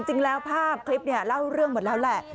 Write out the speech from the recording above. จริงแล้วภาพคลิปเนี่ยเล่าเรื่องหมดแล้วแหละ